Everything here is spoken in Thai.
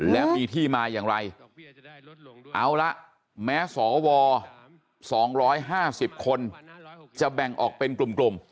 และมีที่มาอย่างไรเอาละแม้สว๒๕๐คนจะแบ่งออกเป็นกลุ่ม